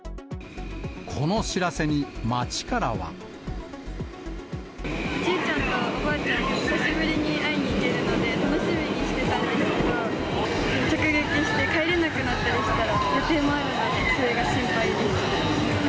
この知らせに、街からは。おじいちゃんとおばあちゃんに久しぶりに会いに行けるので、楽しみにしてたんですけど、直撃して、帰れなくなったりしたら、予定もあるので、それが心配です。